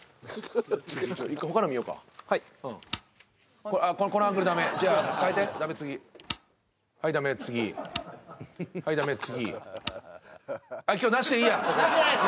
一回他の見ようかはいこのアングルダメじゃ変えてダメ次はいダメ次はいダメ次今日なしでいいやなしです